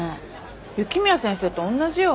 雪宮先生と同じよ。